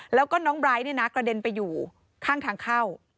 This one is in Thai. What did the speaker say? แล้วก็น้องไบร์ทกระเด็นไปอยู่ข้างทางเข้า